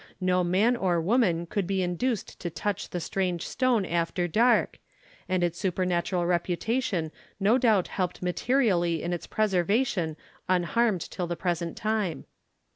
No man or woman could be induced to touch the strange stone after dark, and its supernatural reputation no doubt helped materially in its preservation unharmed till the present time.